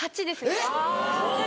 えっ！